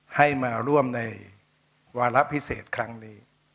ให้มาร่วมในวาระพิเศษครั้งนี้